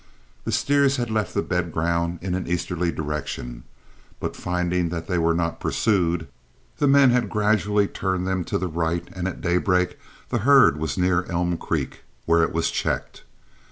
The steers had left the bed ground in an easterly direction, but finding that they were not pursued, the men had gradually turned them to the right, and at daybreak the herd was near Elm Creek, where it was checked.